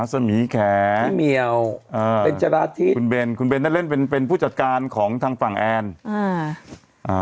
สมีแขนพี่เหมียวอ่าเป็นจราธิคุณเบนคุณเบนได้เล่นเป็นเป็นผู้จัดการของทางฝั่งแอนอ่าอ่า